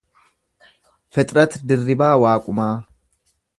Fixret Dirribaa Waaqumaa